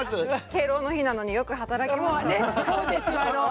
敬老の日なのによく働きました。